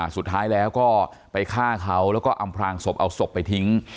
สุดท้ายแล้วก็ไปฆ่าเขาแล้วก็อำพลางศพเอาศพไปทิ้ง